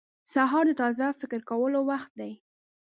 • سهار د تازه فکر کولو وخت دی.